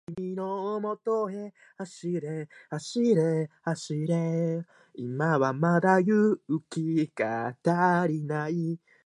地域によって気候は異なるが、一般には夏季はそれほど猛暑にはならず、冬季も若葉区や緑区など内陸部を除き暖かくて温和な太平洋側気候である。